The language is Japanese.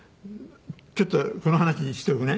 ちょっとこの話しておくね。